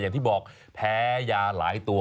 อย่างที่บอกแพ้ยาหลายตัว